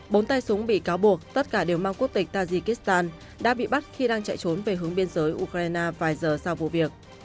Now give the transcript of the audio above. bốn tay súng bị cáo buộc tất cả đều mang quốc tịch tajikistan đã bị bắt khi đang chạy trốn về hướng biên giới ukraine vài giờ sau vụ việc